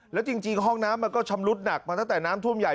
แล้วจริงห้องน้ำมันก็ชำรุดหนักมาตั้งแต่น้ำท่วมใหญ่